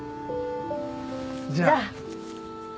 じゃあ